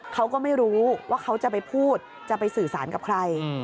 เขาก็ไม่รู้ว่าเขาจะไปพูดจะไปสื่อสารกับใคร